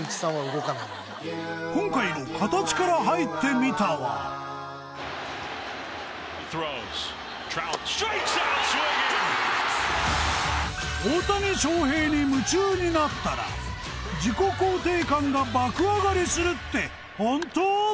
今回の「形から入ってみた」は大谷翔平に夢中になったら自己肯定感が爆上がりするって本当？